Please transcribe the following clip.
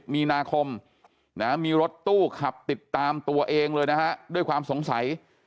มีนาคมมีรถตู้ขับติดตามตัวเองเลยนะฮะด้วยความสงสัย